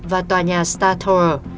và tòa nhà star tower